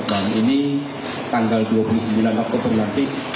dan ini tanggal dua puluh sembilan oktober nanti